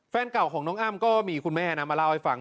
แฟนเก่าของน้องอ้ำก็มีคุณแม่นะมาเล่าให้ฟัง